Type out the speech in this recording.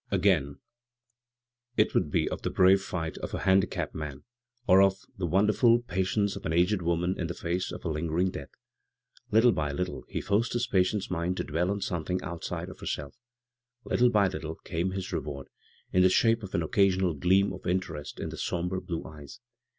Again it would be of the brave fight of a handicapped man, or of the wonderful pa tience of an aged woman in the face of a lingering death. Litde by litde he forced his patient's mind to dwell on something out side of herself ; little by littie came his re ward in the shape of an occasional gleam of interest in the sombre blue eyes.